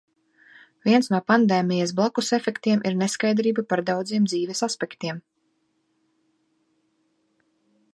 Viens no pandēmijas "blakusefektiem" ir neskaidrība par daudziem dzīves aspektiem.